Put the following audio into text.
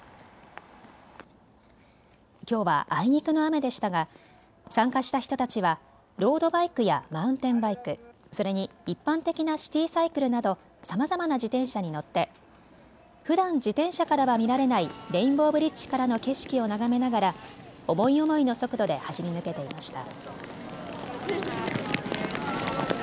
きょうは、あいにくの雨でしたが参加した人たちはロードバイクやマウンテンバイク、それに一般的なシティサイクルなどさまざまな自転車に乗ってふだん自転車からは見られないレインボーブリッジからの景色を眺めながら思い思いの速度で走り抜けていました。